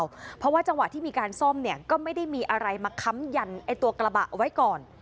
เพราะว่าจังหวะที่มีการซ่อมเนี่ยก็ไม่ได้มีอะไรมาค้ำยันไอ้ตัวกระบะเอาไว้ก่อน